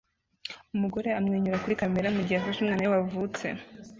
Umugore amwenyura kuri kamera mugihe afashe umwana we wavutse